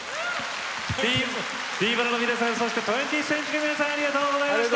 Ｔ−ＢＯＬＡＮの皆さんそして２０ｔｈＣｅｎｔｕｒｙの皆さんありがとうございました。